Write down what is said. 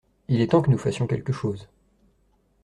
Il est temps que nous fassions quelque chose.